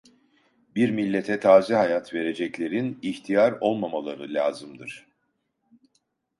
Bir millete taze hayat vereceklerin ihtiyar olmamaları lazımdır.